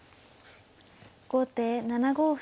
後手７五歩。